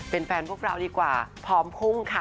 เป็นแฟนพวกเราดีกว่าพร้อมพุ่งค่ะ